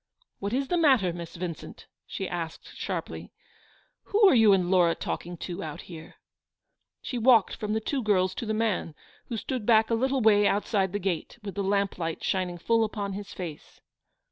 "What is the matter, Miss Vincent," she asked, sharply. " Who are you and Laura talk ing to, out here ? r ' She walked from the two girls to the man, who stook back a little way outside the gate, with the lamplight shining full upon his face.